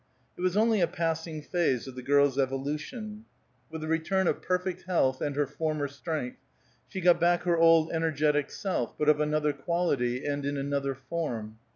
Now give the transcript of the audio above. It was only a passing phase of the girl's evolution. With the return of perfect health and her former strength, she got back her old energetic self, but of another quality and in another form.